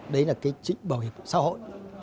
đấy là cái chính bảo hiểm xã hội